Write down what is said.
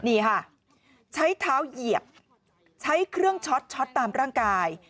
นี่ค่ะใช้เท้าเหยียบใช้เครื่องช็อตช็อตตามร่างกาย